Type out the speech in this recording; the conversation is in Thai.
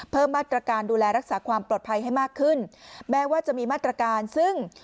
เพิ่มมาตรการดูแลรักษาความปลอดภัยให้มากขึ้นแม้ว่าจะมีมาตรการซึ่ง